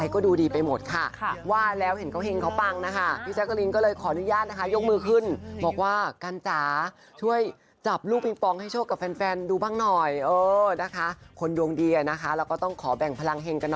คุณดวงดีอ่ะนะคะเราก็ต้องขอแบ่งพลังเชียร์หนุ่มกันหน่อยค่ะ